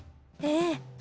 ええ。